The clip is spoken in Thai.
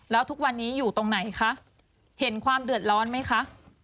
แล้วทุกวันนี้อยู่ตรงไหนคะเห็นความเดือดร้อนไหมคะ